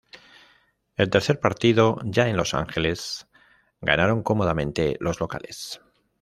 El tercer partido ya en Los Ángeles ganaron cómodamente los locales.